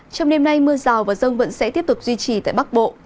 trong đêm nay mưa rào và rông vẫn sẽ tiếp tục duy trì tại bắc bộ